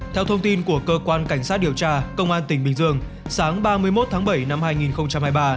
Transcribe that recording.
theo thông tin của cơ quan cảnh sát điều tra công an tỉnh bình dương sáng ba mươi một tháng bảy năm hai nghìn hai mươi ba